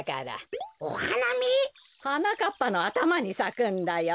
はなかっぱのあたまにさくんだよ。